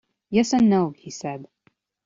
“Yes and no,” he said.